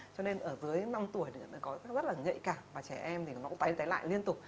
cho nên ở dưới năm tuổi thì nó có rất là nhạy cảm và trẻ em thì nó cũng tái tái lại liên tục